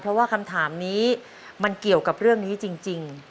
เพราะว่าคำถามนี้มันเกี่ยวกับเรื่องนี้จริง